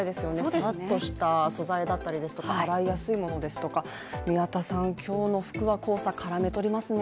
さらっとした素材だったりとか洗いやすいものですとか、宮田さん、今日の服は黄砂、絡め取りますね。